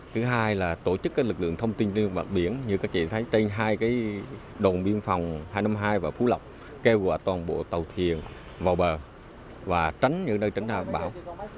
thứ hai là tổ chức các lực lượng thông tin nước và biển như các chị thấy trên hai cái đồn biên phòng hai trăm năm mươi hai và phú lộc kêu gọi toàn bộ tàu thuyền vào bờ và tránh những nơi tránh ra bão